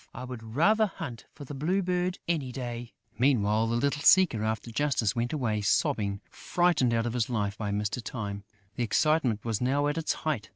"I would rather hunt for the Blue Bird, any day!" Meanwhile, the little seeker after justice went away sobbing, frightened out of his life by Mr. Time. The excitement was now at its height.